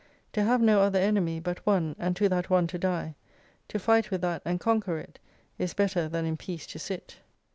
To have no other enemy But one ; and to that one to die : To fight with that and conquer it. Is better than in peace to sit.